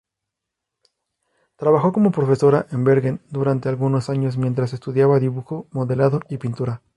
Trabajó como profesora en Bergen durante algunos años, mientras estudiaba dibujo, modelado y pintura.